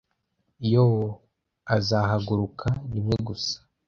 yoo azahaguruka rimwe gusa